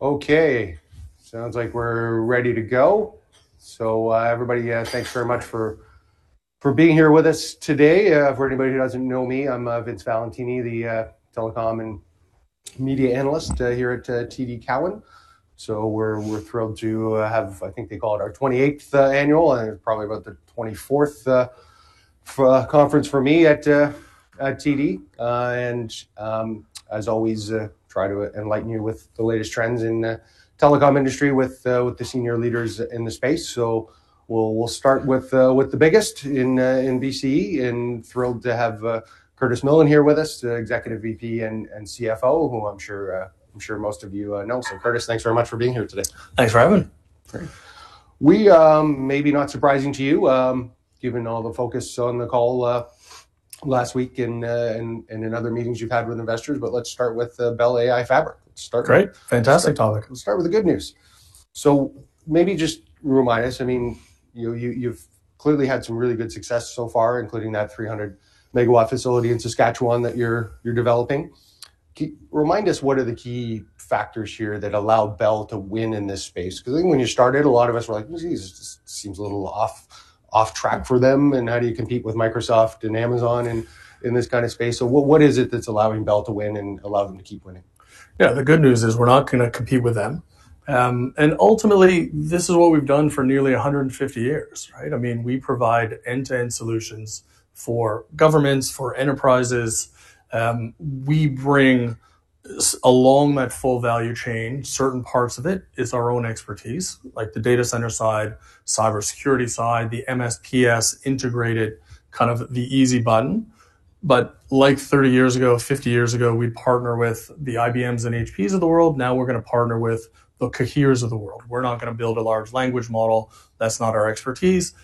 Okay. Sounds like we're ready to go. Everybody, thanks very much for being here with us today. For anybody who doesn't know me, I'm Vince Valentini, the telecom and media analyst here at TD Cowen. We're thrilled to have, I think they call it our 28th annual, and probably about the 24th conference for me at TD. And as always, try to enlighten you with the latest trends in telecom industry with the senior leaders in the space. We'll start with the biggest in BCE, and thrilled to have Curtis Millen here with us, the Executive VP and CFO, who I'm sure most of you know. Curtis, thanks very much for being here today. Thanks for having me. Great. We, maybe not surprising to you, given all the focus on the call last week and in other meetings you've had with investors, but let's start with the Bell AI Fabric. Great. Fantastic topic Let's start with the good news. Maybe just remind us, I mean, you've clearly had some really good success so far, including that 300 MW facility in Saskatchewan that you're developing. Remind us what are the key factors here that allow Bell to win in this space? I think when you started, a lot of us were like, "This seems a little off track for them, and how do you compete with Microsoft and Amazon in this kind of space." What is it that's allowing Bell to win and allow them to keep winning? Yeah. The good news is we're not gonna compete with them. Ultimately, this is what we've done for nearly 150 years, right? I mean, we provide end-to-end solutions for governments, for enterprises. We bring along that full value chain, certain parts of it is our own expertise, like the data center side, cybersecurity side, the MSPs integrated, kind of the easy button. Like 30 years ago, 50 years ago, we'd partner with the IBMs and HPs of the world, now we're gonna partner with the Cohere of the world. We're not gonna build a large language model. That's not our expertise.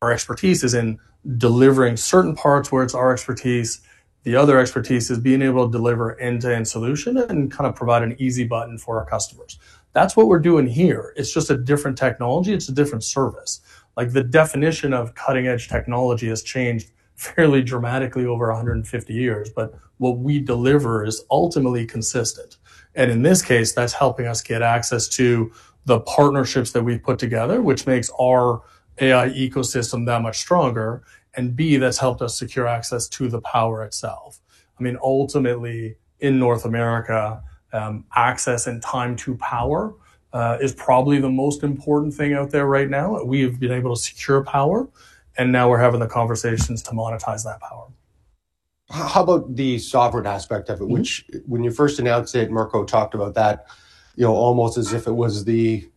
Our expertise is in delivering certain parts where it's our expertise. The other expertise is being able to deliver end-to-end solution and kind of provide an easy button for our customers. That's what we're doing here. It's just a different technology. It's a different service. Like, the definition of cutting edge technology has changed fairly dramatically over 150 years, but what we deliver is ultimately consistent. In this case, that's helping us get access to the partnerships that we've put together, which makes our AI ecosystem that much stronger, and B, that's helped us secure access to the power itself. I mean, ultimately, in North America, access and time to power, is probably the most important thing out there right now. We've been able to secure power, and now we're having the conversations to monetize that power. How about the sovereign aspect of it? Which, when you first announced it, Mirko talked about that, you know, almost as if it was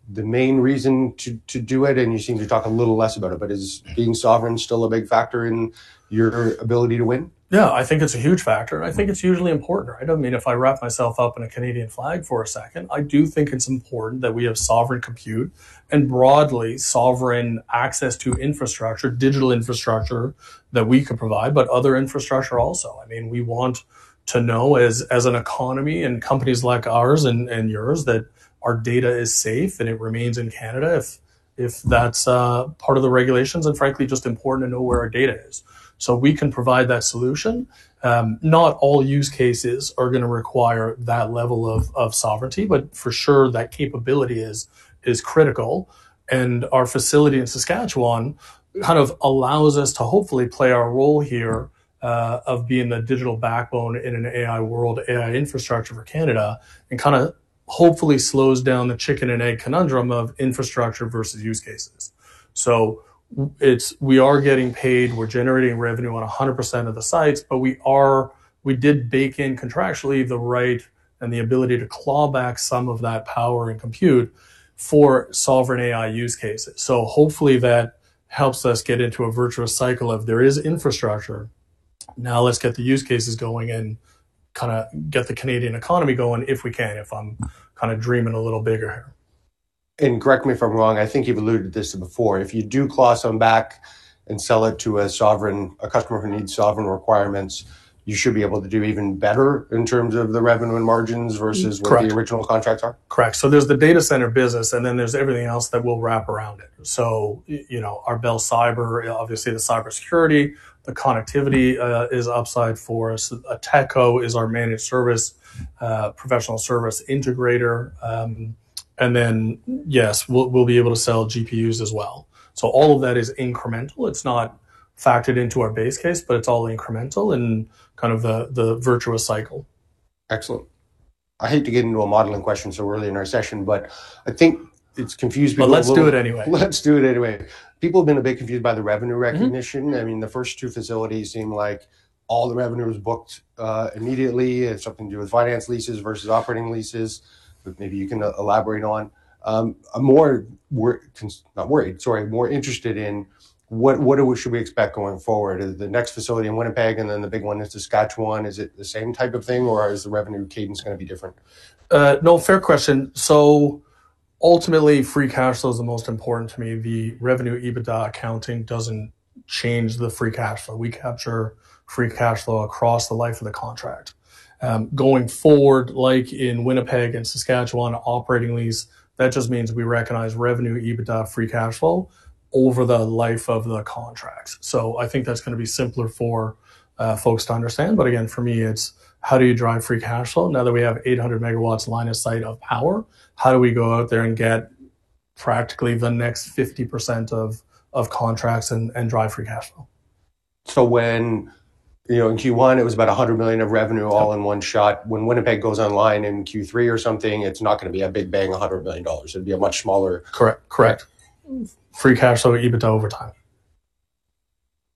the main reason to do it, and you seem to talk a little less about it. Is being sovereign still a big factor in your ability to win? I think it's a huge factor, and I think it's hugely important, right? I mean, if I wrap myself up in a Canadian flag for a second, I do think it's important that we have sovereign compute, and broadly, sovereign access to infrastructure, digital infrastructure that we can provide, but other infrastructure also. I mean, we want to know as an economy and companies like ours and yours, that our data is safe and it remains in Canada if that's part of the regulations, and frankly, just important to know where our data is. We can provide that solution. Not all use cases are gonna require that level of sovereignty, but for sure that capability is critical. Our facility in Saskatchewan kind of allows us to hopefully play our role here, of being the digital backbone in an AI world, AI infrastructure for Canada, and kind of hopefully slows down the chicken and egg conundrum of infrastructure versus use cases. We are getting paid, we're generating revenue on 100% of the sites, but we are, we did bake in contractually the right and the ability to claw back some of that power and compute for sovereign AI use cases. Hopefully that helps us get into a virtuous cycle of there is infrastructure, now let's get the use cases going and kind of get the Canadian economy going, if we can, if I'm kind of dreaming a little bigger. Correct me if I'm wrong, I think you've alluded to this before, if you do claw some back and sell it to a sovereign, a customer who needs sovereign requirements, you should be able to do even better in terms of the revenue and margins versus what the original contracts are? Correct. There's the data center business, and then there's everything else that we'll wrap around it. You know, our Bell Cyber, obviously the cybersecurity, the connectivity is upside for us. Ateko is our managed service, professional service integrator. Yes, we'll be able to sell GPUs as well. All of that is incremental. It's not factored into our base case, but it's all incremental and kind of the virtuous cycle. Excellent. I hate to get into a modeling question so early in our session, but I think it's confused people. Let's do it anyway. Let's do it anyway. People have been a bit confused by the revenue recognition. I mean, the first two facilities seem like all the revenue is booked immediately. It's something to do with finance leases versus operating leases that maybe you can elaborate on. I'm not worried, sorry, more interested in what should we expect going forward? Is the next facility in Winnipeg and then the big one in Saskatchewan, is it the same type of thing, or is the revenue cadence gonna be different? No, fair question. Ultimately, free cash flow is the most important to me. The revenue EBITDA accounting doesn't change the free cash flow. We capture free cash flow across the life of the contract. Going forward, like in Winnipeg and Saskatchewan operating lease, that just means we recognize revenue EBITDA free cash flow over the life of the contracts. I think that's gonna be simpler for folks to understand. Again, for me, it's how do you drive free cash flow? Now that we have 800 MW line of sight of power, how do we go out there and practically the next 50% of contracts and drive free cash flow. When, you know, in Q1 it was about 100 million of revenue all in one shot. When Winnipeg goes online in Q3 or something, it's not gonna be a big bang, 100 billion dollars. It'd be a much smaller. Correct. Free cash flow EBITDA over time.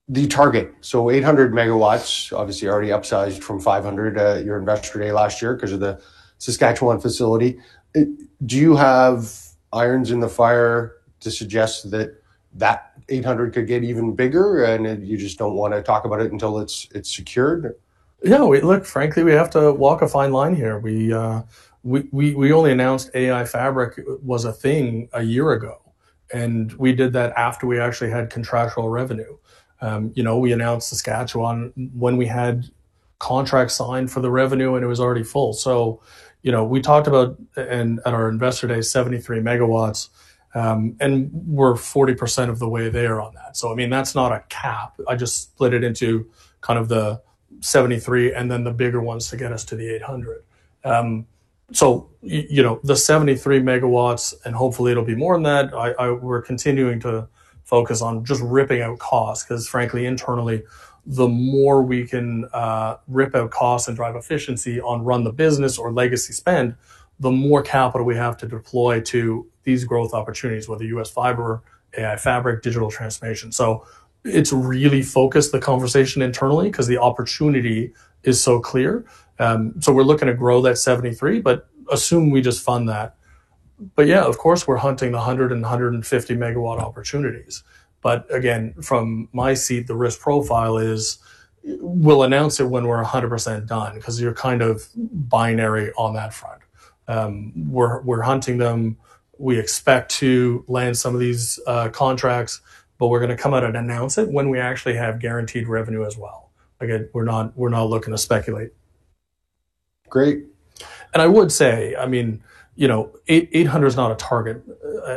The target, 800 MW, obviously already upsized from 500 MW at your Investor Day last year 'cause of the Saskatchewan facility. Do you have irons in the fire to suggest that that 800 MW could get even bigger, and you just don't wanna talk about it until it's secured? Frankly, we have to walk a fine line here. We only announced AI Fabric was a thing a year ago, and we did that after we actually had contractual revenue. You know, we announced Saskatchewan when we had contracts signed for the revenue, and it was already full. You know, we talked about, at our Investor Day, 73 MW, and we're 40% of the way there on that. I mean, that's not a cap. I just split it into kind of the 73 MW and then the bigger ones to get us to the 800 MW. You know, the 73 MW, and hopefully it'll be more than that, I, we're continuing to focus on just ripping out costs. Frankly, internally, the more we can rip out costs and drive efficiency on run the business or legacy spend, the more capital we have to deploy to these growth opportunities, whether U.S. fiber, AI Fabric, digital transformation. It's really focused the conversation internally 'cause the opportunity is so clear. We're looking to grow that 73 MW, assume we just fund that. Yeah, of course we're hunting 100 MW and 150 MW opportunities. Again, from my seat, the risk profile is we'll announce it when we're 100% done, 'cause you're kind of binary on that front. We're hunting them. We expect to land some of these contracts, we're gonna come out and announce it when we actually have guaranteed revenue as well. Again, we're not looking to speculate. Great. I would say, I mean, you know, 800 MW is not a target.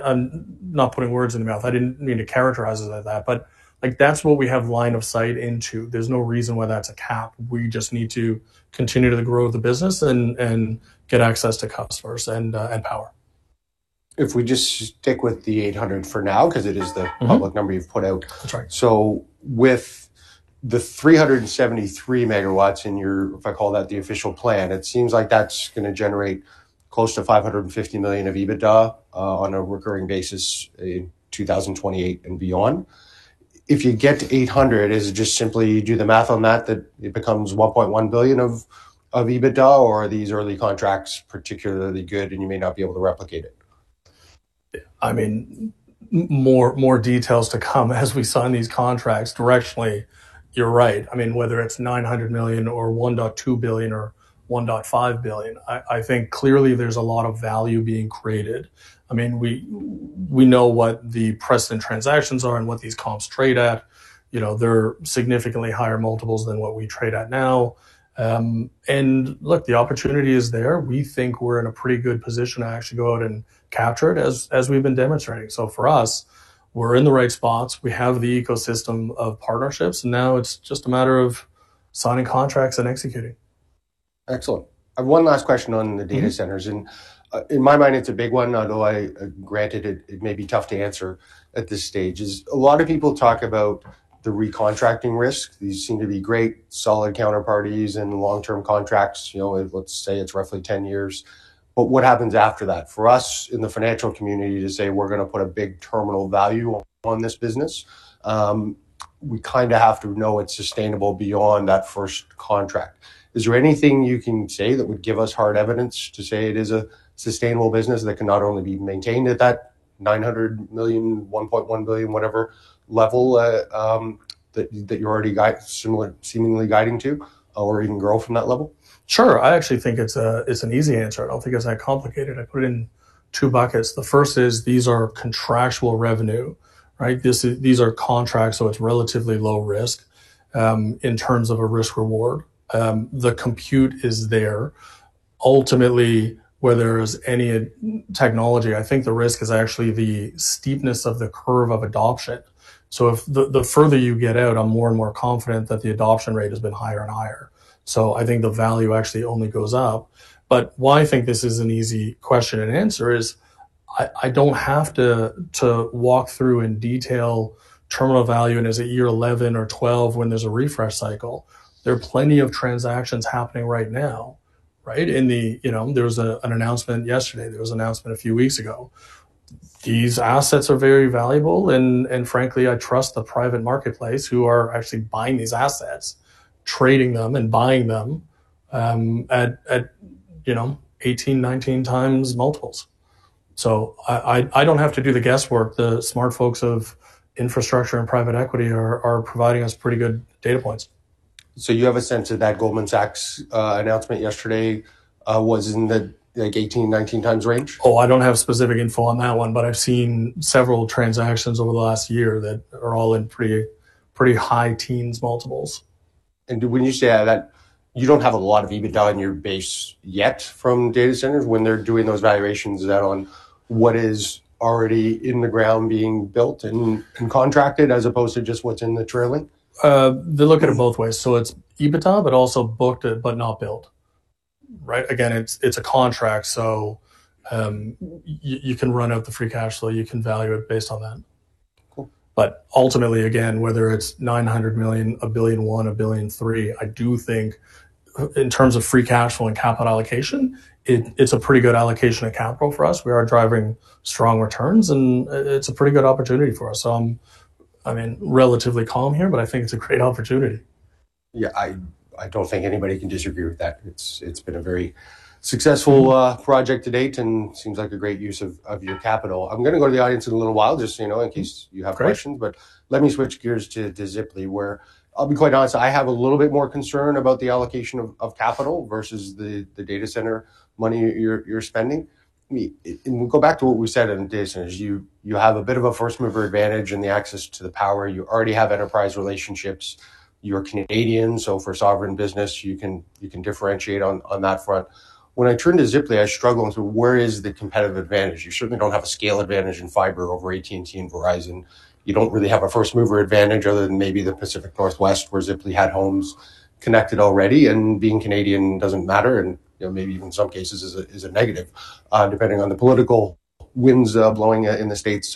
I'm not putting words in your mouth. I didn't mean to characterize it like that, but like that's what we have line of sight into. There's no reason why that's a cap. We just need to continue to grow the business and get access to customers and power. If we just stick with the 800 MW for now, because it is the public number you've put out. That's right. With the 373 MW in your, if I call that the official plan, it seems like that's gonna generate close to 550 million of EBITDA on a recurring basis in 2028 and beyond. If you get to 800 MW, is it just simply you do the math on that it becomes 1.1 billion of EBITDA, or are these early contracts particularly good and you may not be able to replicate it? I mean, more details to come as we sign these contracts. Directionally, you're right. I mean, whether it's 900 million or 1.2 billion or 1.5 billion, I think clearly there's a lot of value being created. I mean, we know what the precedent transactions are and what these comps trade at. You know, they're significantly higher multiples than what we trade at now. Look, the opportunity is there. We think we're in a pretty good position to actually go out and capture it as we've been demonstrating. For us, we're in the right spots. We have the ecosystem of partnerships. Now it's just a matter of signing contracts and executing. Excellent. I have one last question on the data centers. In my mind, it's a big one, although, granted it may be tough to answer at this stage, is a lot of people talk about the recontracting risk. These seem to be great solid counterparties and long-term contracts, you know, let's say it's roughly 10 years. What happens after that? For us in the financial community to say we're gonna put a big terminal value on this business, we kind of have to know it's sustainable beyond that first contract. Is there anything you can say that would give us hard evidence to say it is a sustainable business that can not only be maintained at that 900 million, 1.1 billion, whatever level, that you're already guide, seemingly guiding to, or even grow from that level? Sure. I actually think it's an easy answer. I don't think it's that complicated. I put it in two buckets. The first is these are contractual revenue, right? These are contracts, so it's relatively low risk in terms of a risk reward. The compute is there. Ultimately, where there's any technology, I think the risk is actually the steepness of the curve of adoption. If the further you get out, I'm more and more confident that the adoption rate has been higher and higher. I think the value actually only goes up. Why I think this is an easy question and answer is I don't have to walk through in detail terminal value and is it year 11 or 12 when there's a refresh cycle. There are plenty of transactions happening right now, right? In the, you know, there was an announcement yesterday, there was an announcement a few weeks ago. These assets are very valuable and frankly, I trust the private marketplace who are actually buying these assets, trading them and buying them, at, you know, 18x, 19x multiples. I don't have to do the guesswork. The smart folks of infrastructure and private equity are providing us pretty good data points. You have a sense of that Goldman Sachs announcement yesterday, was in the, like 18x, 19x range? Oh, I don't have specific info on that one, but I've seen several transactions over the last year that are all in pretty high teens multiples. When you say that you don't have a lot of EBITDA in your base yet from data centers, when they're doing those valuations, is that on what is already in the ground being built and contracted as opposed to just what's in the trailing? They look at it both ways. It's EBITDA, but also booked it but not built. Right. Again, it's a contract, you can run out the free cash flow, you can value it based on that. Cool. Ultimately, again, whether it's 900 million, 1.1 billion, 1.3 billion, I do think, in terms of free cash flow and capital allocation, it's a pretty good allocation of capital for us. We are driving strong returns, and it's a pretty good opportunity for us. I mean, relatively calm here, but I think it's a great opportunity. Yeah. I don't think anybody can disagree with that. It's been a very successful project to date, and seems like a great use of your capital. I'm gonna go to the audience in a little while, just so you know, in case you have questions. Great. Let me switch gears to Ziply, where I'll be quite honest, I have a little bit more concern about the allocation of capital versus the data center money you're spending. I mean, and we'll go back to what we said in data centers. You have a bit of a first mover advantage in the access to the power. You already have enterprise relationships. You're Canadian, so for sovereign business, you can differentiate on that front. When I turn to Ziply, I struggle with where is the competitive advantage? You certainly don't have a scale advantage in fiber over AT&T and Verizon. You don't really have a first mover advantage other than maybe the Pacific Northwest, where Ziply had homes connected already, and being Canadian doesn't matter and, you know, maybe even in some cases is a, is a negative, depending on the political winds, blowing in the States.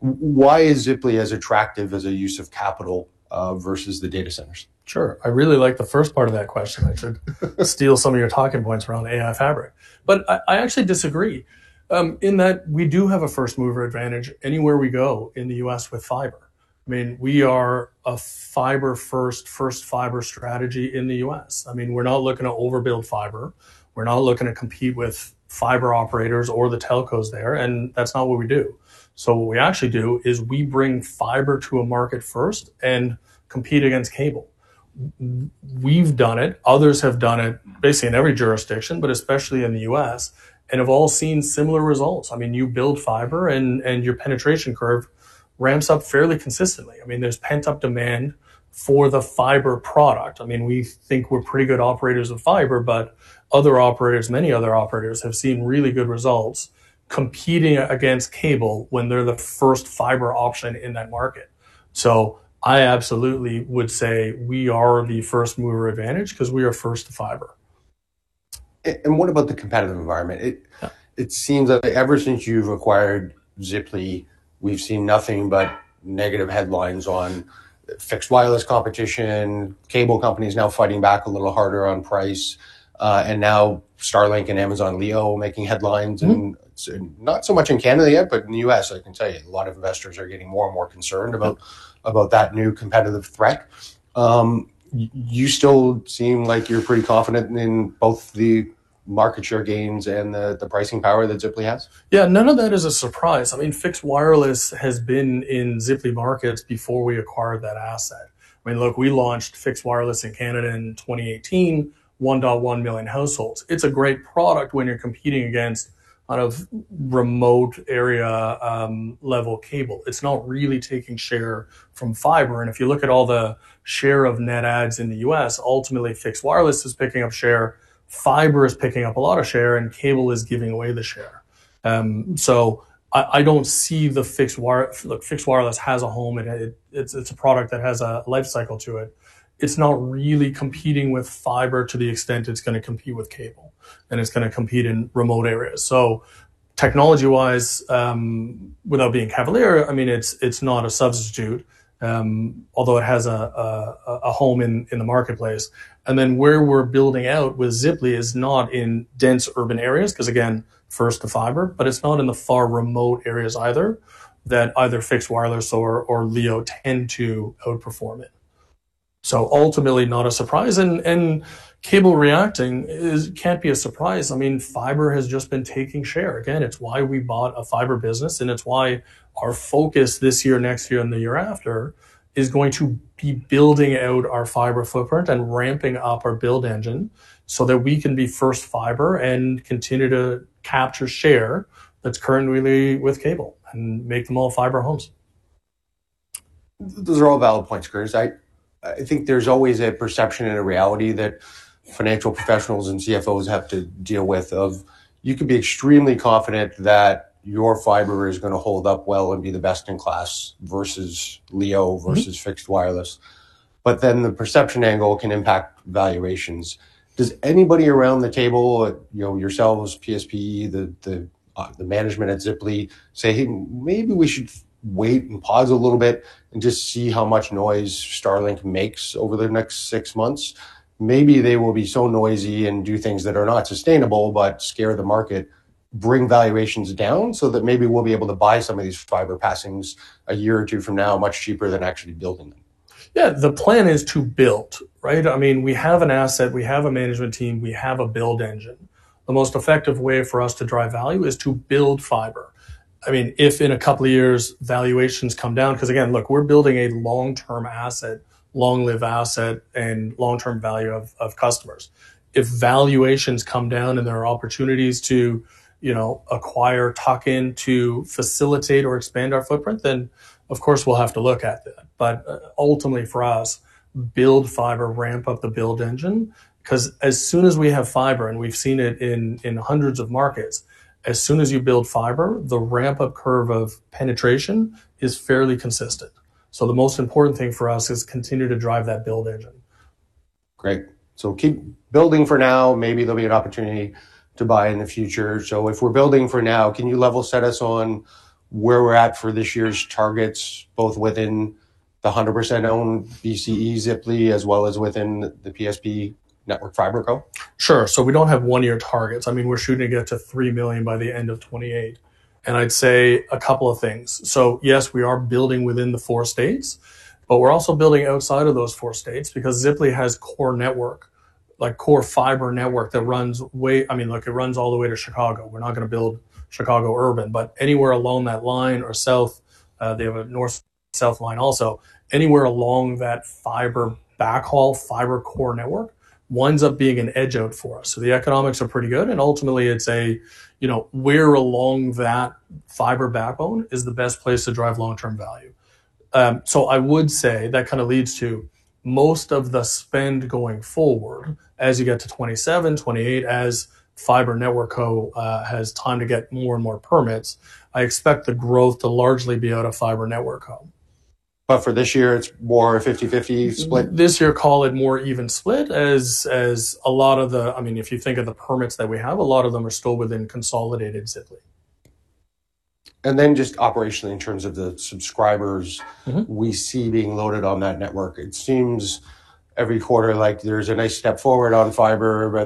Why is Ziply as attractive as a use of capital versus the data centers? Sure. I really like the first part of that question. I should steal some of your talking points around AI Fabric. I actually disagree, in that we do have a first mover advantage anywhere we go in the U.S. with fiber. I mean, we are a fiber first fiber strategy in the U.S. I mean, we're not looking to overbuild fiber. We're not looking to compete with fiber operators or the telcos there, and that's not what we do. What we actually do is we bring fiber to a market first and compete against cable. We've done it, others have done it, basically in every jurisdiction, but especially in the U.S., and have all seen similar results. I mean, you build fiber and your penetration curve ramps up fairly consistently. I mean, there's pent-up demand for the fiber product. I mean, we think we're pretty good operators of fiber, but other operators, many other operators, have seen really good results competing against cable when they're the first fiber option in that market. I absolutely would say we are the first mover advantage because we are first to fiber. What about the competitive environment? It seems like ever since you've acquired Ziply, we've seen nothing but negative headlines on fixed wireless competition, cable companies now fighting back a little harder on price, and now Starlink and Amazon Leo making headlines. Not so much in Canada yet, but in the U.S., I can tell you, a lot of investors are getting more and more concerned about that new competitive threat. You still seem like you're pretty confident in both the market share gains and the pricing power that Ziply has. Yeah, none of that is a surprise. I mean, fixed wireless has been in Ziply markets before we acquired that asset. I mean, look, we launched fixed wireless in Canada in 2018, 1.1 million dollar households. It's a great product when you're competing against kind of remote area, level cable. It's not really taking share from fiber. If you look at all the share of net adds in the U.S., ultimately fixed wireless is picking up share, fiber is picking up a lot of share, and cable is giving away the share. I don't see the fixed wireless has a home. It's a product that has a life cycle to it. It's not really competing with fiber to the extent it's gonna compete with cable, and it's gonna compete in remote areas. Technology-wise, without being cavalier, I mean, it's not a substitute, although it has a home in the marketplace. Where we're building out with Ziply is not in dense urban areas, 'cause again, first to fiber, but it's not in the far remote areas either, that either fixed wireless or Leo tend to outperform it. Ultimately, not a surprise. Cable reacting is, can't be a surprise. I mean, fiber has just been taking share. Again, it's why we bought a fiber business, and it's why our focus this year, next year, and the year after, is going to be building out our fiber footprint and ramping up our build engine so that we can be first to fiber and continue to capture share that's currently with cable and make them all fiber homes. Those are all valid points, Curtis. I think there's always a perception and a reality that financial professionals and CFOs have to deal with of, you could be extremely confident that your fiber is gonna hold up well and be the best in class versus Leo versus fixed wireless, the perception angle can impact valuations. Does anybody around the table, you know, yourselves, PSP, the management at Ziply, say, "Hey, maybe we should wait and pause a little bit and just see how much noise Starlink makes over the next six months. Maybe they will be so noisy and do things that are not sustainable, but scare the market, bring valuations down so that maybe we'll be able to buy some of these fiber passings a year or two from now much cheaper than actually building them"? Yeah. The plan is to build, right? I mean, we have an asset, we have a management team, we have a build engine. The most effective way for us to drive value is to build fiber. I mean, if in couple of years valuations come down, 'cause again, look, we're building a long-term asset, long-lived asset, and long-term value of customers. If valuations come down and there are opportunities to, you know, acquire, tuck in to facilitate or expand our footprint. Ultimately for us, build fiber, ramp up the build engine, 'cause as soon as we have fiber, and we've seen it in hundreds of markets, as soon as you build fiber, the ramp-up curve of penetration is fairly consistent. The most important thing for us is continue to drive that build engine. Great. Keep building for now, maybe there'll be an opportunity to buy in the future. If we're building for now, can you level set us on where we're at for this year's targets, both within the 100% owned BCE Ziply, as well as within the PSP Network FiberCo? Sure. We don't have one-year targets. I mean, we're shooting to get to 3 million by the end of 2028, and I'd say a couple of things. Yes, we are building within the four states, but we're also building outside of those four states because Ziply has core network, like core fiber network that runs way I mean, look, it runs all the way to Chicago. We're not gonna build Chicago urban, but anywhere along that line or south, they have a north-south line also, anywhere along that fiber backhaul, fiber core network winds up being an edge out for us. The economics are pretty good and ultimately it's a, you know, where along that fiber backbone is the best place to drive long-term value. I would say that kind of leads to most of the spend going forward as you get to 2027, 2028, as Fiber Network Co. has time to get more and more permits, I expect the growth to largely be out of Fiber Network Co. For this year it's more 50/50 split? This year call it more even split as a lot of the I mean, if you think of the permits that we have, a lot of them are still within consolidated Ziply. Just operationally, in terms of the subscribers. We see being loaded on that network, it seems every quarter, like, there's a nice step forward on fiber.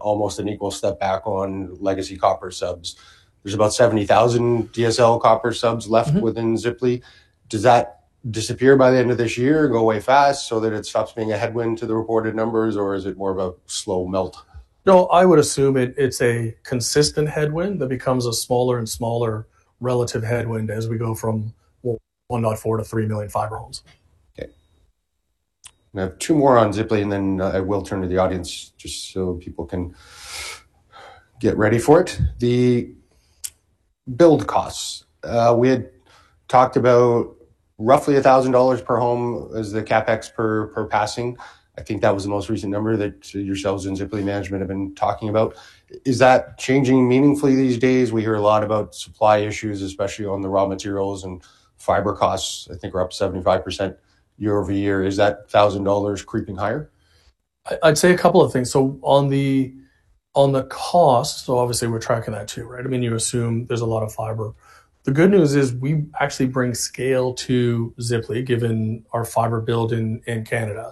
Almost an equal step back on legacy copper subs. There's about 70,000 DSL copper subs left within Ziply. Does that disappear by the end of this year, go away fast so that it stops being a headwind to the reported numbers, or is it more of a slow melt? No, I would assume it's a consistent headwind that becomes a smaller and smaller relative headwind as we go from 1.4 million to 3 million fiber homes. Okay. I have two more on Ziply and then I will turn to the audience just so people can get ready for it. The build costs. We had talked about roughly 1,000 dollars per home as the CapEx per passing. I think that was the most recent number that yourselves and Ziply management have been talking about. Is that changing meaningfully these days? We hear a lot about supply issues, especially on the raw materials, and fiber costs I think are up 75% year-over-year. Is that 1,000 dollars creeping higher? I'd say a couple of things. On the cost, obviously we're tracking that too, right? I mean, you assume there's a lot of fiber. The good news is we actually bring scale to Ziply, given our fiber build in Canada.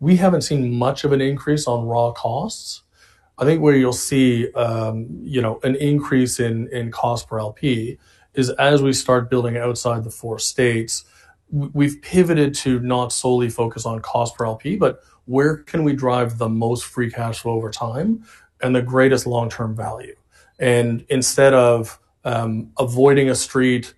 We haven't seen much of an increase on raw costs. I think where you'll see, you know, an increase in cost per LP is as we start building outside the four states, we've pivoted to not solely focus on cost per LP, but where can we drive the most free cash flow over time and the greatest long-term value. Instead of avoiding a street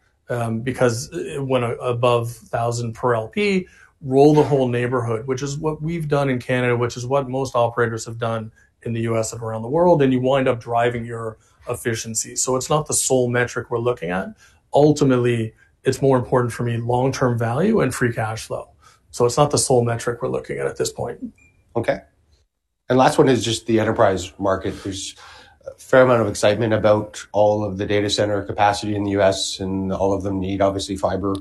because it went above 1,000 per LP, roll the whole neighborhood, which is what we've done in Canada, which is what most operators have done in the U.S. and around the world, and you wind up driving your efficiency. It's not the sole metric we're looking at. Ultimately, it's more important for me long-term value and free cash flow. It's not the sole metric we're looking at this point. Okay. Last one is just the enterprise market. There's a fair amount of excitement about all of the data center capacity in the U.S., and all of them need, obviously, fiber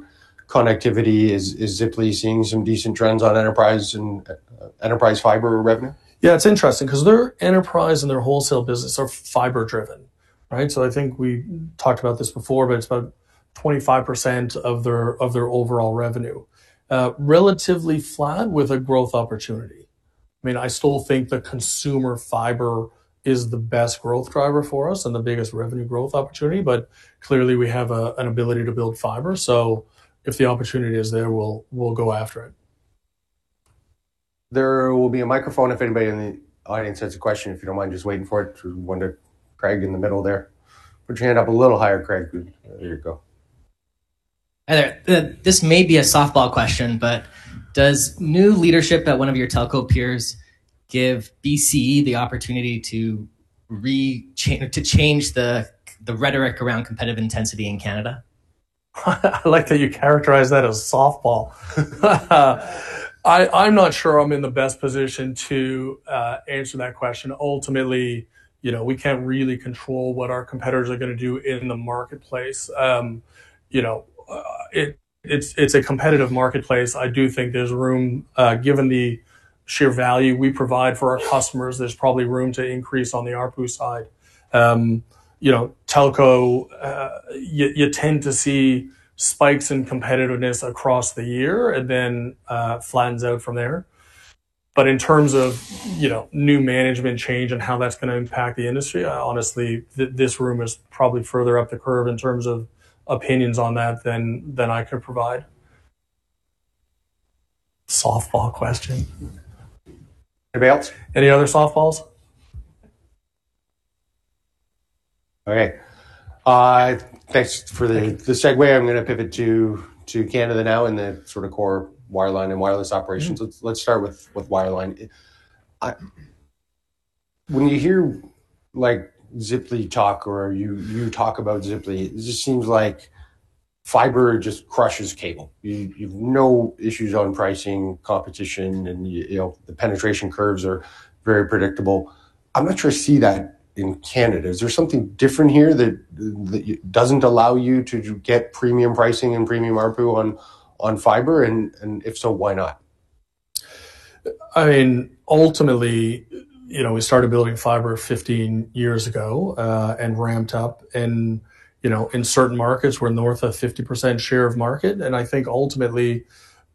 connectivity. Is Ziply seeing some decent trends on enterprise and enterprise fiber revenue? It's interesting 'cause their enterprise and their wholesale business are fiber driven, right. I think we talked about this before, but it's about 25% of their, of their overall revenue. Relatively flat with a growth opportunity. I mean, I still think the consumer fiber is the best growth driver for us and the biggest revenue growth opportunity, but clearly we have an ability to build fiber, if the opportunity is there, we'll go after it. There will be a microphone if anybody in the audience has a question, if you don't mind just waiting for it. There's one to Craig in the middle there. Put your hand up a little higher, Craig. There you go. Hi there. This may be a softball question, but does new leadership at one of your telco peers give BCE the opportunity to change the rhetoric around competitive intensity in Canada? I like how you characterize that as softball. I'm not sure I'm in the best position to answer that question. Ultimately, you know, we can't really control what our competitors are going to do in the marketplace. You know, it's a competitive marketplace. I do think there's room, given the sheer value we provide for our customers, there's probably room to increase on the ARPU side. You know, telco, you tend to see spikes in competitiveness across the year and then flattens out from there. In terms of, you know, new management change and how that's going to impact the industry, honestly, this room is probably further up the curve in terms of opinions on that than I could provide. Softball question. Anybody else? Any other softballs? Okay. Thanks for the segue. I'm gonna pivot to Canada now and the sort of core wireline and wireless operations. Let's start with wireline. When you hear, like, Ziply talk or you talk about Ziply, it just seems like fiber just crushes cable. You've no issues on pricing, competition and, you know, the penetration curves are very predictable. I'm not sure I see that in Canada. Is there something different here that doesn't allow you to get premium pricing and premium ARPU on fiber and if so, why not? I mean, ultimately, you know, we started building fiber 15 years ago and ramped up and, you know, in certain markets we're north of 50% share of market. I think ultimately,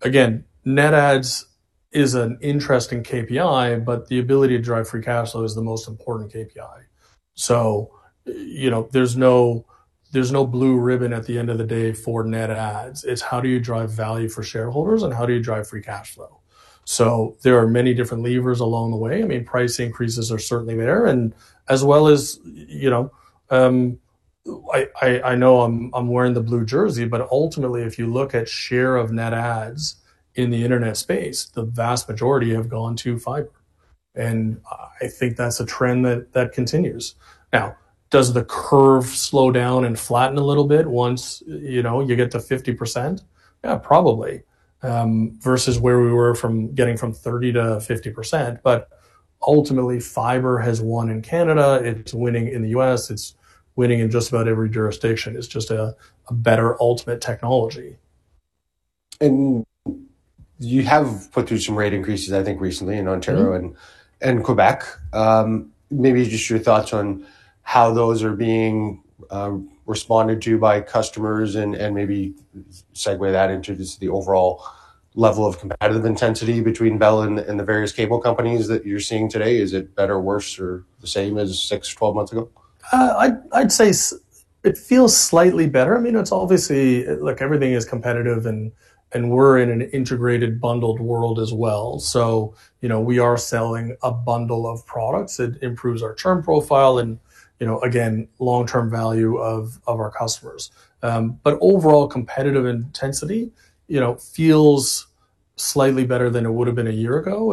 again, net adds is an interesting KPI, but the ability to drive free cash flow is the most important KPI. You know, there's no blue ribbon at the end of the day for net adds. It's how do you drive value for shareholders and how do you drive free cash flow? There are many different levers along the way. I mean, price increases are certainly there and as well as, you know, I know I'm wearing the blue jersey, but ultimately if you look at share of net adds in the internet space, the vast majority have gone to fiber. I think that's a trend that continues. Does the curve slow down and flatten a little bit once, you know, you get to 50%? Yeah, probably. Versus where we were from getting from 30% to 50%. Ultimately, fiber has won in Canada, it's winning in the U.S., it's winning in just about every jurisdiction. It's just a better ultimate technology. You have put through some rate increases, I think recently in Ontario and Quebec. Maybe just your thoughts on how those are being responded to by customers and maybe segue that into just the overall level of competitive intensity between Bell and the various cable companies that you're seeing today. Is it better or worse or the same as 6, 12 months ago? I'd say it feels slightly better. I mean, it's obviously Look, everything is competitive and we're in an integrated bundled world as well. You know, we are selling a bundle of products. It improves our churn profile and, you know, again, long-term value of our customers. But overall competitive intensity, you know, feels slightly better than it would've been a year ago.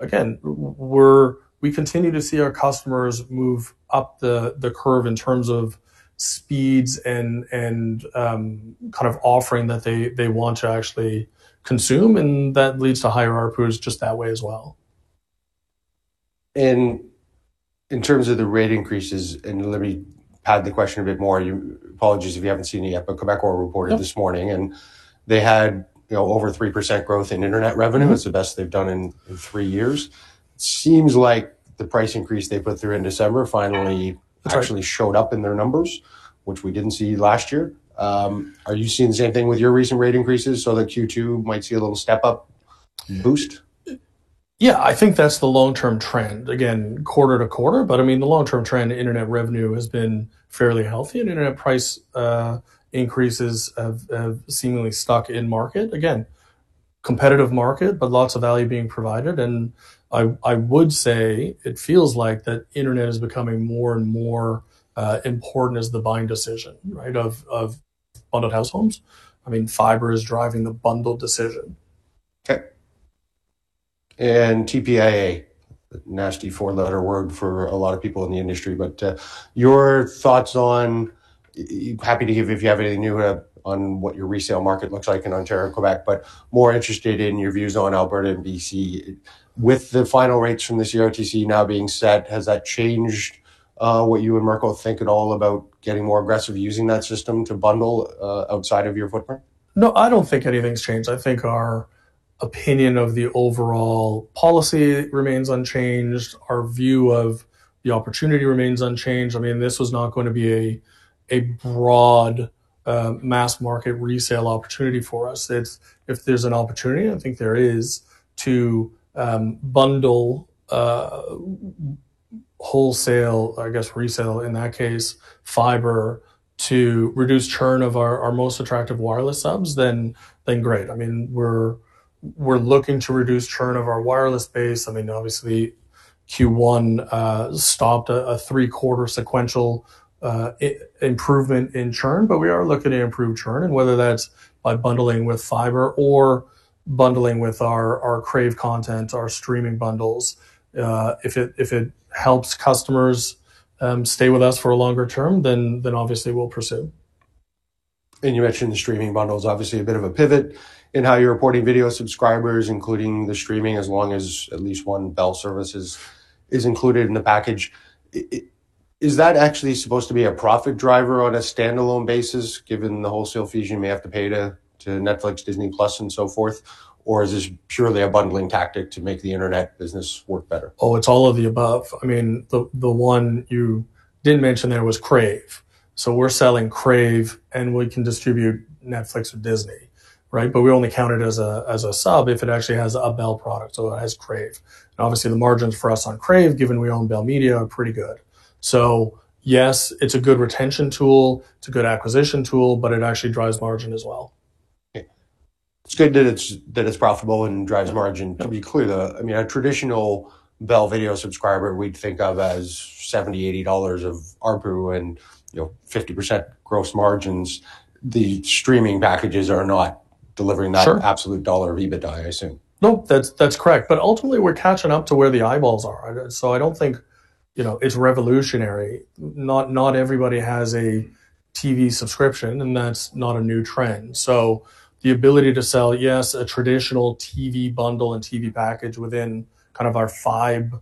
Again, we continue to see our customers move up the curve in terms of speeds and kind of offering that they want to actually consume, and that leads to higher ARPU just that way as well. In terms of the rate increases, and let me pad the question a bit more. Apologies if you haven't seen it yet, Quebecor reporte this morning they had, you know, over 3% growth in internet revenue. It's the best they've done in three years. Seems like the price increase they put through in December finally. Actually showed up in their numbers, which we didn't see last year. Are you seeing the same thing with your recent rate increases so that Q2 might see a little step up, boost? Yeah, I think that's the long-term trend. Again, quarter to quarter, but I mean, the long-term trend, internet revenue has been fairly healthy and internet price increases have seemingly stuck in market. Again, competitive market, but lots of value being provided. I would say it feels like that internet is becoming more and more important as the buying decision, right, of bundled households. I mean, fiber is driving the bundle decision. Okay. TPIA, nasty four-letter word for a lot of people in the industry. Your thoughts on, happy to hear if you have anything new, on what your resale market looks like in Ontario and Quebec, but more interested in your views on Alberta and BC. With the final rates from the CRTC now being set, has that changed what you and Mirko think at all about getting more aggressive using that system to bundle outside of your footprint? No, I don't think anything's changed. I think our opinion of the overall policy remains unchanged. Our view of the opportunity remains unchanged. I mean, this was not going to be a broad mass market resale opportunity for us. If there's an opportunity, I think there is, to bundle wholesale, I guess resale in that case, fiber to reduce churn of our most attractive wireless subs, then great. I mean, we're looking to reduce churn of our wireless base. I mean, obviously Q1 stopped a three-quarter sequential improvement in churn, we are looking to improve churn and whether that's by bundling with fiber or bundling with our Crave content, our streaming bundles. If it helps customers stay with us for a longer term, then obviously we'll pursue. You mentioned the streaming bundles, obviously a bit of a pivot in how you're reporting video subscribers, including the streaming, as long as at least one Bell service is included in the package. Is that actually supposed to be a profit driver on a standalone basis, given the wholesale fees you may have to pay to Netflix, Disney+ and so forth? Or is this purely a bundling tactic to make the internet business work better? It's all of the above. I mean, the one you didn't mention there was Crave. We're selling Crave, and we can distribute Netflix or Disney, right? But we only count it as a sub if it actually has a Bell product, so it has Crave. Obviously the margins for us on Crave, given we own Bell Media, are pretty good. Yes, it's a good retention tool, it's a good acquisition tool, but it actually drives margin as well. Okay. It's good that it's profitable and drives margin. To be clear, I mean, a traditional Bell video subscriber, we'd think of as 70, 80 dollars of ARPU and, you know, 50% gross margins. The streaming packages are not delivering that absolute dollar of EBITDA, I assume. No, that's correct. Ultimately, we're catching up to where the eyeballs are. I don't think, you know, it's revolutionary. Not everybody has a TV subscription, and that's not a new trend. The ability to sell, yes, a traditional TV bundle and TV package within kind of our Fibe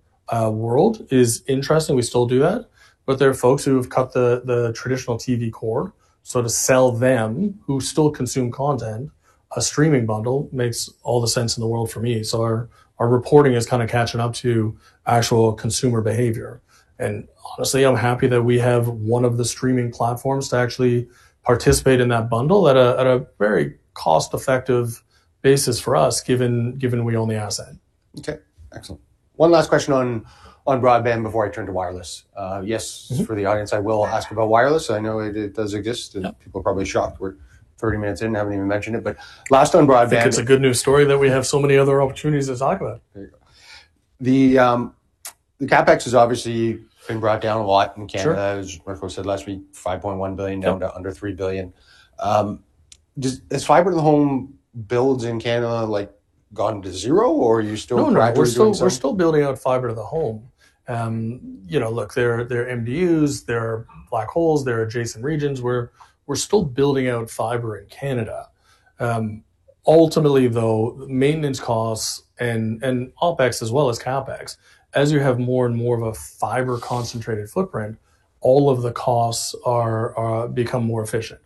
world is interesting. We still do that, but there are folks who have cut the traditional TV cord. To sell them, who still consume content, a streaming bundle makes all the sense in the world for me. Our reporting is kind of catching up to actual consumer behavior. Honestly, I'm happy that we have one of the streaming platforms to actually participate in that bundle at a very cost-effective basis for us, given we own the asset. Okay. Excellent. One last question on broadband before I turn to wireless. For the audience, I will ask about wireless. I know it does exist. People are probably shocked we're 30 minutes in and haven't even mentioned it. Last on broadband. I think it's a good news story that we have so many other opportunities to talk about. There you go. The CapEx has obviously been brought down a lot in Canada. Sure. As Mirko said last week, 5.1 billion down to under 3 billion. Has fiber to the home builds in Canada, like, gotten to zero, or are you still actively doing some? No, we're still building out fiber to the home. You know, look, there are MDUs, there are black holes, there are adjacent regions where we're still building out fiber in Canada. Ultimately though, maintenance costs and OpEx as well as CapEx, as you have more and more of a fiber concentrated footprint, all of the costs are become more efficient.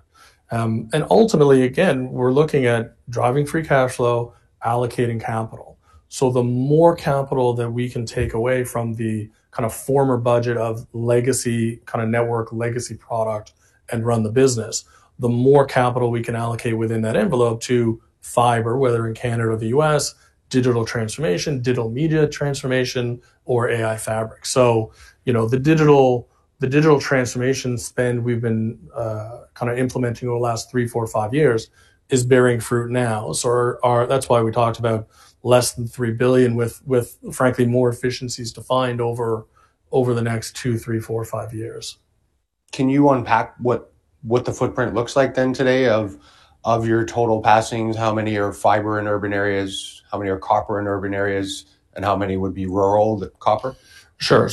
Ultimately, again, we're looking at driving free cash flow, allocating capital. The more capital that we can take away from the kind of former budget of legacy, kind of network legacy product and run the business, the more capital we can allocate within that envelope to fiber, whether in Canada or the U.S., digital transformation, digital media transformation, or AI Fabric. You know, the digital transformation spend we've been kinda implementing over the last three, four, five years is bearing fruit now. Our, that's why we talked about less than 3 billion with frankly more efficiencies to find over the next two, three, four, five years. Can you unpack what the footprint looks like then today of your total passings? How many are fiber in urban areas? How many are copper in urban areas? How many would be rural that copper? Sure.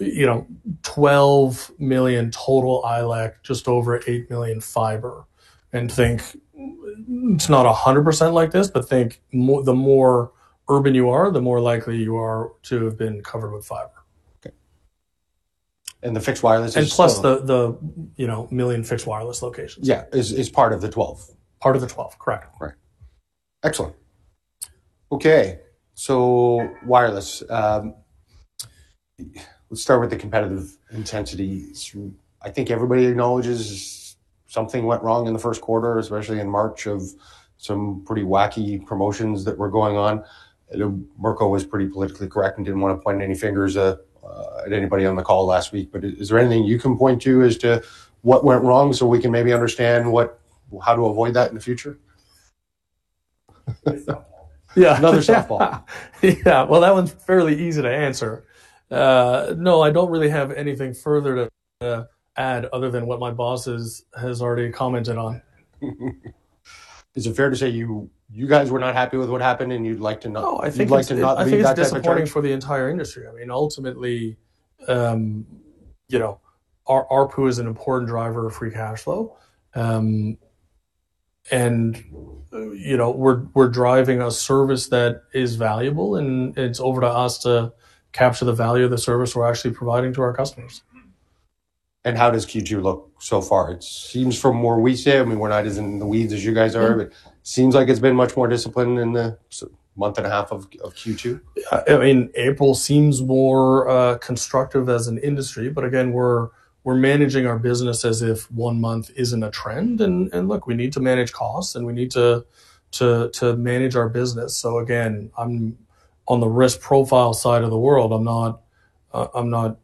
You know, 12 million total ILEC, just over 8 million fiber. Think, it's not 100% like this, but think the more urban you are, the more likely you are to have been covered with fiber. Okay. The fixed wireless is still. Plus the, you know, 1 million fixed wireless locations. Yeah, is part of the 12. Part of the 12, correct. Right. Excellent. Okay. Wireless. Let's start with the competitive intensity. I think everybody acknowledges something went wrong in the first quarter, especially in March of some pretty wacky promotions that were going on. You know, Mirko was pretty politically correct and didn't wanna point any fingers at anybody on the call last week. Is there anything you can point to as to what went wrong so we can maybe understand what, how to avoid that in the future? Another softball. Yeah. Well, that one's fairly easy to answer. No, I don't really have anything further to add other than what my bosses has already commented on. Is it fair to say you guys were not happy with what happened? You'd like to not see that type of trading. No. I think it's disappointing for the entire industry. I mean, ultimately, you know, our ARPU is an important driver of free cash flow. You know, we're driving a service that is valuable, and it's over to us to capture the value of the service we're actually providing to our customers. How does Q2 look so far? It seems from where we sit, I mean, we're not as in the weeds as you guys are. Seems like it's been much more disciplined in the 1.5 month of Q2. I mean, April seems more constructive as an industry. Again, we're managing our business as if one month isn't a trend. Look, we need to manage costs, and we need to manage our business. Again, I'm on the risk profile side of the world. I'm not,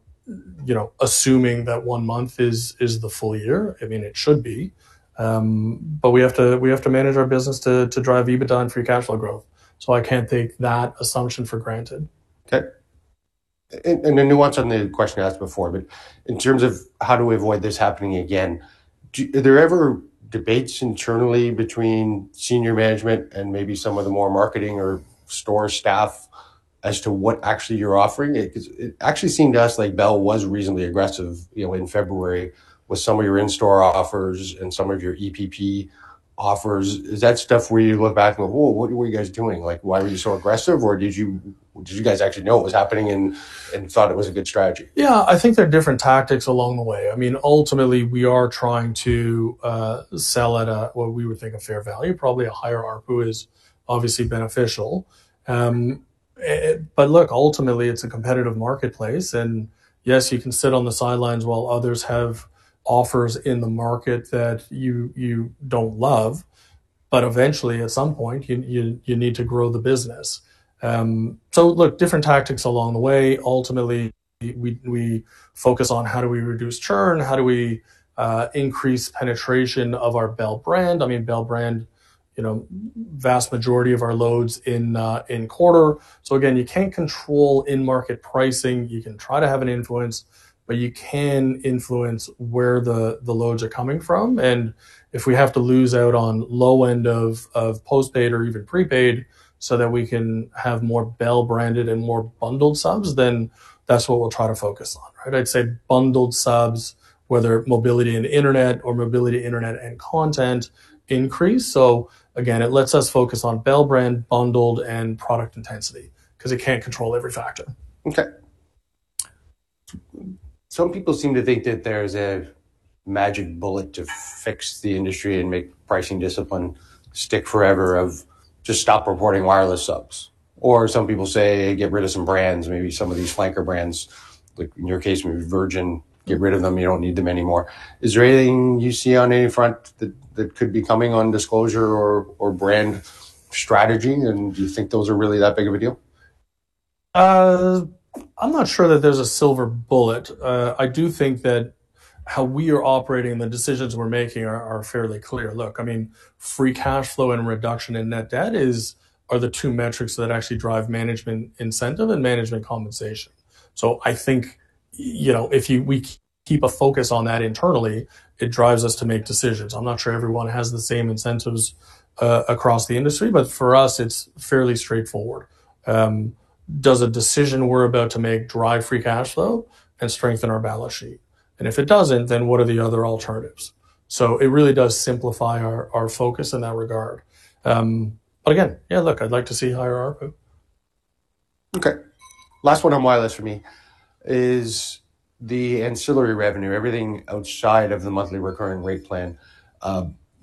you know, assuming that one month is the full year. I mean, it should be. We have to manage our business to drive EBITDA and free cash flow growth. I can't take that assumption for granted. Okay. A nuance on the question you asked before. In terms of how do we avoid this happening again, are there ever debates internally between senior management and maybe some of the more marketing or store staff as to what actually you're offering? It actually seemed to us like Bell was reasonably aggressive, you know, in February with some of your in-store offers and some of your EPP offers. Is that stuff where you look back and go, "Whoa, what were you guys doing?" Like, why were you so aggressive? Did you guys actually know it was happening and thought it was a good strategy? Yeah. I think there are different tactics along the way. I mean, ultimately, we are trying to sell at a, what we would think a fair value, probably a higher ARPU is obviously beneficial. Look, ultimately, it's a competitive marketplace, and yes, you can sit on the sidelines while others have offers in the market that you don't love, but eventually, at some point, you need to grow the business. Look, different tactics along the way. Ultimately, we focus on how do we reduce churn, how do we increase penetration of our Bell brand. I mean, Bell brand, you know, vast majority of our loads in quarter. Again, you can't control end market pricing. You can try to have an influence, but you can influence where the loads are coming from. If we have to lose out on low end of post-paid or even pre-paid so that we can have more Bell branded and more bundled subs, that's what we'll try to focus on, right? I'd say bundled subs, whether mobility and internet or mobility, internet, and content increase. Again, it lets us focus on Bell brand bundled and product intensity, 'cause you can't control every factor. Okay. Some people seem to think that there's a magic bullet to fix the industry and make pricing discipline stick forever of just stop reporting wireless subs. Some people say get rid of some brands, maybe some of these flanker brands, like in your case maybe Virgin, get rid of them, you don't need them anymore. Is there anything you see on any front that could be coming on disclosure or brand strategy? Do you think those are really that big of a deal? I'm not sure that there's a silver bullet. I do think that how we are operating and the decisions we're making are fairly clear. Look, I mean, free cash flow and reduction in net debt are the two metrics that actually drive management incentive and management compensation. I think, you know, if we keep a focus on that internally, it drives us to make decisions. I'm not sure everyone has the same incentives across the industry, but for us it's fairly straightforward. Does a decision we're about to make drive free cash flow and strengthen our balance sheet? If it doesn't, then what are the other alternatives? It really does simplify our focus in that regard. Again, yeah, look, I'd like to see higher ARPU. Okay. Last one on wireless for me is the ancillary revenue, everything outside of the monthly recurring rate plan.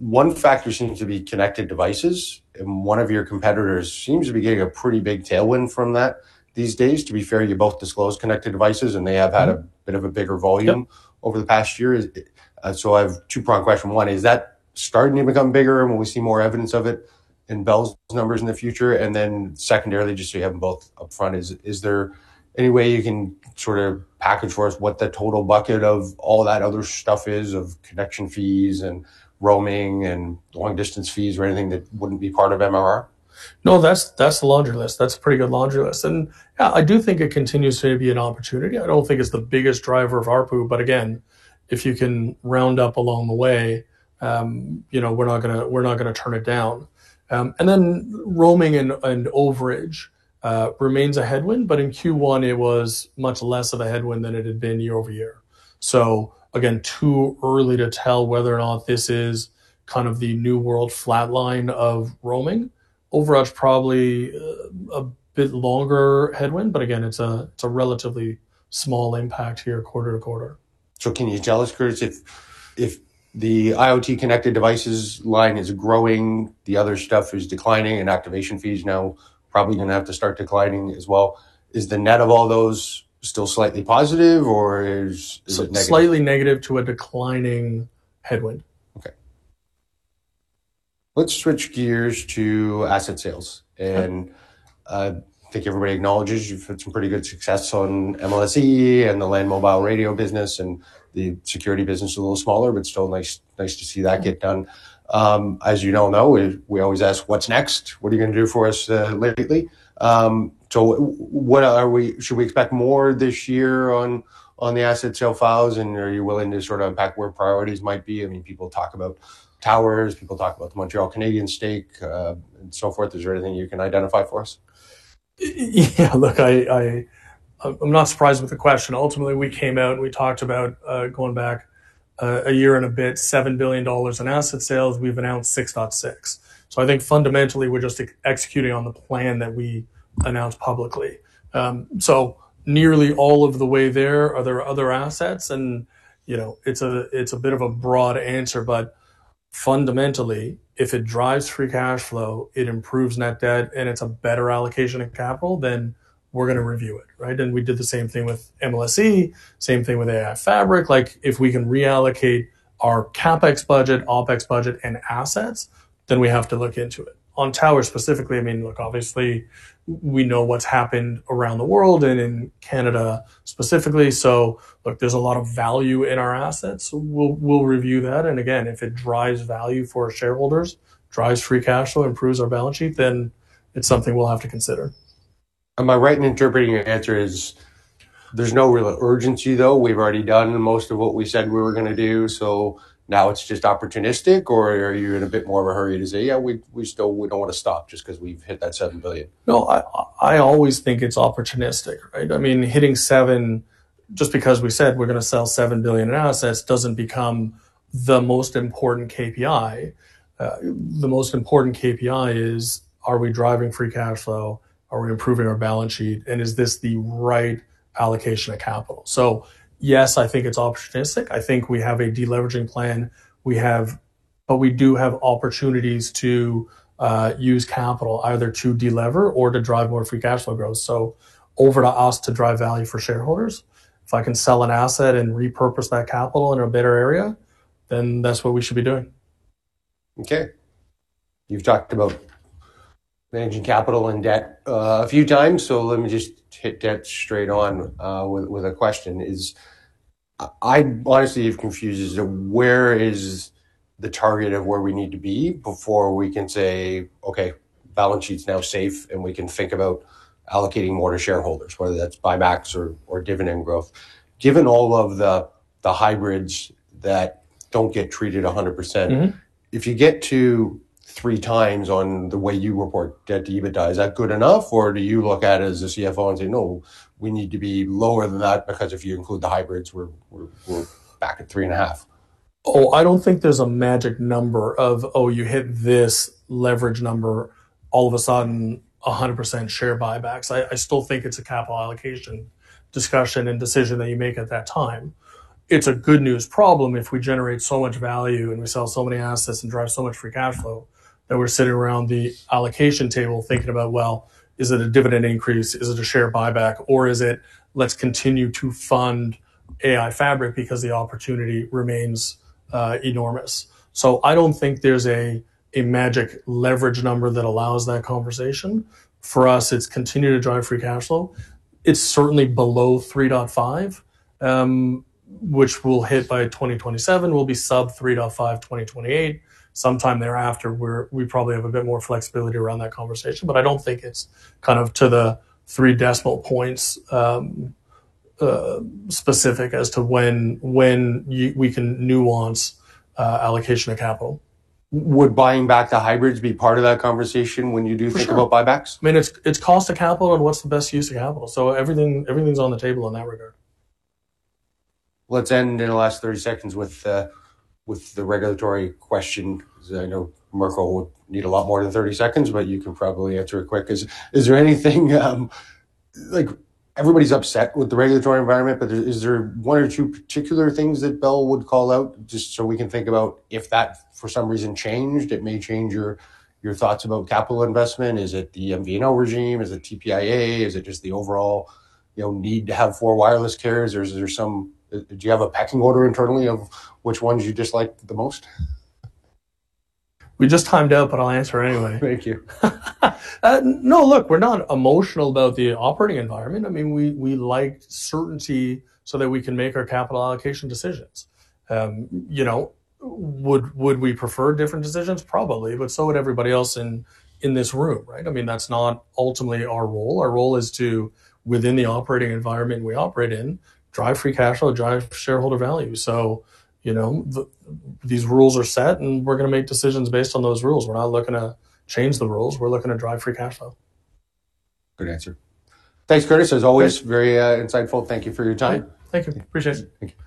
One factor seems to be connected devices, and one of your competitors seems to be getting a pretty big tailwind from that these days. To be fair, you both disclose connected devices, and they have had a bit of a bigger volume over the past year. I have two-prong question. One, is that starting to become bigger, and will we see more evidence of it in Bell's numbers in the future? Secondarily, just so you have them both up front, is there any way you can sort of package for us what the total bucket of all that other stuff is, of connection fees and roaming and long distance fees or anything that wouldn't be part of MRR? No, that's the laundry list. That's a pretty good laundry list. Yeah, I do think it continues to be an opportunity. I don't think it's the biggest driver of ARPU, but again, if you can round up along the way, you know, we're not gonna turn it down. Roaming and overage remains a headwind, but in Q1 it was much less of a headwind than it had been year-over-year. Again, too early to tell whether or not this is kind of the new world flat line of roaming. Overage probably a bit longer headwind, but again, it's a relatively small impact here quarter-to-quarter. Can you tell us, Curtis, if the IoT connected devices line is growing, the other stuff is declining, and activation fees now probably gonna have to start declining as well, is the net of all those still slightly positive, or is it negative? Slightly negative to a declining headwind. Okay. Let's switch gears to asset sales. I think everybody acknowledges you've had some pretty good success on MLSE and the Land Mobile radio business, and the security business is a little smaller, but still nice to see that get done. As you know, we always ask what's next, what are you gonna do for us lately. What should we expect more this year on the asset sale files, and are you willing to sort of unpack where priorities might be? I mean, people talk about towers, people talk about the Montreal Canadiens stake, and so forth. Is there anything you can identify for us? Look, I'm not surprised with the question. Ultimately, we came out and we talked about going back a year and a bit, 7 billion dollars in asset sales. We've announced 6.6 billion. I think fundamentally we're just executing on the plan that we announced publicly. Nearly all of the way there. Are there other assets? You know, it's a bit of a broad answer, but fundamentally, if it drives free cash flow, it improves net debt, and it's a better allocation of capital, then we're going to review it, right? We did the same thing with MLSE, same thing with AI Fabric. Like, if we can reallocate our CapEx budget, OpEx budget, and assets, then we have to look into it. On towers specifically, I mean, look, obviously we know what's happened around the world and in Canada specifically, so, look, there's a lot of value in our assets. We'll review that, and again, if it drives value for our shareholders, drives free cash flow, improves our balance sheet, then it's something we'll have to consider. Am I right in interpreting your answer as there's no real urgency, though? We've already done most of what we said we were gonna do, so now it's just opportunistic, or are you in a bit more of a hurry to say, "Yeah, we still, we don't wanna stop just 'cause we've hit that 7 billion"? No, I always think it's opportunistic, right. I mean, hitting 7 billion, just because we said we're gonna sell 7 billion in assets doesn't become the most important KPI. The most important KPI is, are we driving free cash flow? Are we improving our balance sheet? Is this the right allocation of capital? Yes, I think it's opportunistic. I think we have a de-leveraging plan we have, but we do have opportunities to use capital either to de-lever or to drive more free cash flow growth. Over to us to drive value for shareholders. If I can sell an asset and repurpose that capital in a better area, then that's what we should be doing. Okay. You've talked about managing capital and debt, a few times. Let me just hit debt straight on with a question. I honestly am confused as to where is the target of where we need to be before we can say, "Okay, balance sheet's now safe, and we can think about allocating more to shareholders," whether that's buybacks or dividend growth. Given all of the hybrids that don't get treated 100%. If you get to 3x on the way you report debt to EBITDA, is that good enough, or do you look at it as the CFO and say, "No, we need to be lower than that because if you include the hybrids, we're back at 3.5x"? Oh, I don't think there's a magic number of, oh, you hit this leverage number, all of a sudden 100% share buybacks. I still think it's a capital allocation discussion and decision that you make at that time. It's a good news problem if we generate so much value and we sell so many assets and drive so much free cash flow that we're sitting around the allocation table thinking about, well, is it a dividend increase? Is it a share buyback, or is it let's continue to fund AI Fabric because the opportunity remains enormous. I don't think there's a magic leverage number that allows that conversation. For us, it's continue to drive free cash flow. It's certainly below 3.5x, which we'll hit by 2027. We'll be sub 3.5x 2028. Sometime thereafter we probably have a bit more flexibility around that conversation. I don't think it's kind of to the 3x decimal points specific as to when we can nuance allocation of capital. Would buying back the hybrids be part of that conversation when you think about buybacks? I mean, it's cost of capital and what's the best use of capital. Everything's on the table in that regard. Let's end in the last 30 seconds with the regulatory question, 'cause I know Mirko would need a lot more than 30 seconds, but you can probably answer it quick. Is there anything, like everybody's upset with the regulatory environment, but is there one or two particular things that Bell would call out just so we can think about if that for some reason changed, it may change your thoughts about capital investment. Is it the MVNO regime? Is it TPIA? Is it just the overall, you know, need to have four wireless carriers, or is there some Do you have a pecking order internally of which ones you dislike the most? We just timed out, but I'll answer anyway. Thank you. No, look, we're not emotional about the operating environment. I mean, we like certainty so that we can make our capital allocation decisions. You know, would we prefer different decisions? Probably, so would everybody else in this room, right? I mean, that's not ultimately our role. Our role is to, within the operating environment we operate in, drive free cash flow, drive shareholder value. You know, these rules are set, we're gonna make decisions based on those rules. We're not looking to change the rules. We're looking to drive free cash flow. Good answer. Thanks, Curtis. As always, very insightful. Thank you for your time. Thank you. Appreciate it. Thank you.